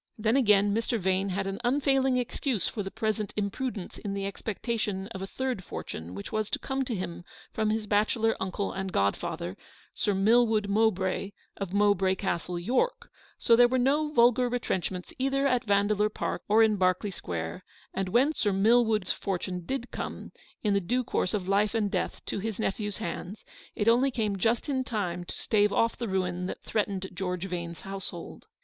Then, again, Mr. Vane had an unfailing excuse for present imprudence in the expectation of a third fortune, which was to come to him from his bachelor uncle and godfather, Sir Milwood Mow bray, of Mowbray Castle, York ; so there were no vulgar retrenchments either at Vandeleur Park or in Berkeley Square, and when Sir Milwood's for THE STORY OF THE PAST. 45 tune did come, in the due course of life and death, to his nephew's hands, it only came just in time to stave off the ruin that threatened George Vane's household.